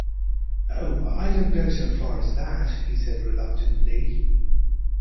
"Oh, I don't go so far as that," he said reluctantly.